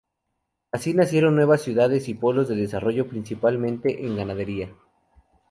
Así nacieron nuevas ciudades y polos de desarrollo, principalmente en ganadería.